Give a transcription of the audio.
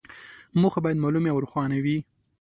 موخې باید معلومې او روښانه وي.